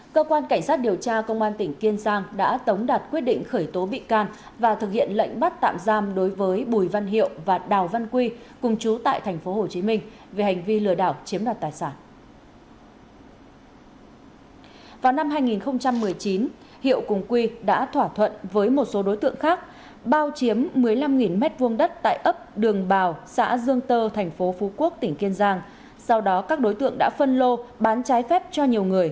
trước đó ngày một mươi sáu tháng một mươi hai năm hai nghìn hai mươi ba cơ quan cảnh sát điều tra công an tỉnh đã ra quyết định khởi tố vụ án khởi tố bị can lệnh tạm giam đối với bà vũ thị thanh nguyền nguyên trưởng phòng kế hoạch tài chính sở giáo dục và đào tạo tỉnh hà giang về hành vi vi phạm quy định về đấu thầu gây hậu quả nghiêm trọng